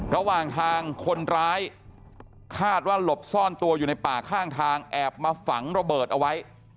ระหว่างทางคนร้ายคาดว่าหลบซ่อนตัวอยู่ในป่าข้างทางแอบมาฝังระเบิดเอาไว้